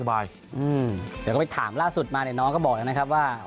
เดี๋ยวก็ไปถามล่าสุดมาเนี่ยน้องก็บอกแล้วนะครับว่า